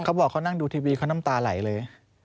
เขาบอกเขานั่งดูทีวีเขาน้ำตาไหลเลย